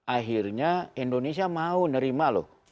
akhirnya indonesia mau nerima loh